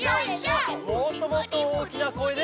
もっともっとおおきなこえで！